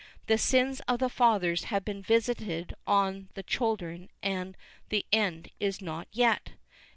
The sins of the fathers have been visited on the children and the end is not yet.